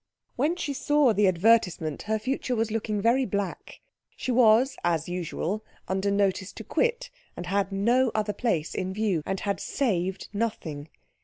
When she saw the advertisement, her future was looking very black. She was, as usual, under notice to quit, and had no other place in view, and had saved nothing.